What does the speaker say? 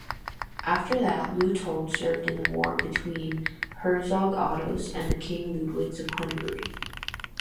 After that Leutold served in the war between Herzog Ottos and the king Ludwigs of Hungary.